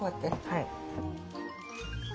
はい。